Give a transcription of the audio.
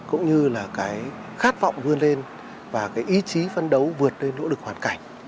cũng như là cái khát vọng vươn lên và cái ý chí phân đấu vượt lên nỗ lực hoàn cảnh